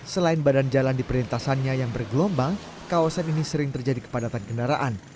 selain badan jalan di perintasannya yang bergelombang kawasan ini sering terjadi kepadatan kendaraan